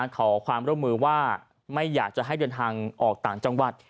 ขอความร่วมมือว่าไม่อยากจะให้เดินทางออกต่างจังหวัด